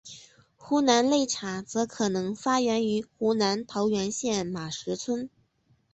湖南擂茶则可能发源于湖南桃源县马石村。